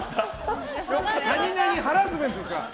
何々ハラスメントですから。